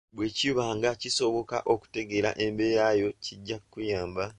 Bwe kiba nga kisoboka, okutegeeera embeera yo kijja kukuyamba.